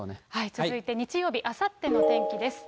続いて日曜日、あさっての天気です。